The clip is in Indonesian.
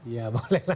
ya boleh lah